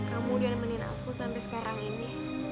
kamu nemenin aku sampai sekarang ini